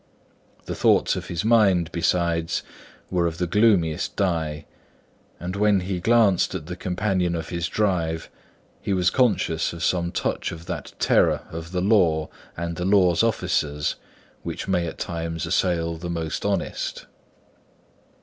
The thoughts of his mind, besides, were of the gloomiest dye; and when he glanced at the companion of his drive, he was conscious of some touch of that terror of the law and the law's officers, which may at times assail the most honest.